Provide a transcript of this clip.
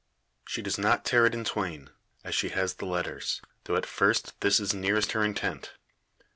She does not tear it in twain, as she has the letters; though at first this is nearest her intent.